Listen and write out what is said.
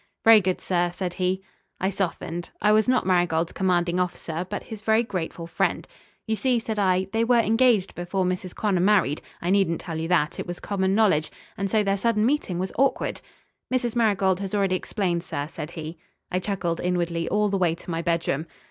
"Very good, sir," said he. I softened. I was not Marigold's commanding officer, but his very grateful friend. "You see," said I, "they were engaged before Mrs. Connor married I needn't tell you that; it was common knowledge and so their sudden meeting was awkward." "Mrs. Marigold has already explained, sir," said he. I chuckled inwardly all the way to my bedroom.